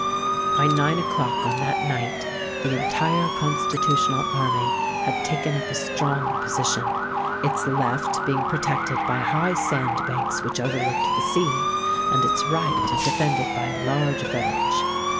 By nine o'clock on that night the entire Constitutional Army had taken up a strong position, its left being protected by high sand banks which overlooked the sea, and its right defended by a large village.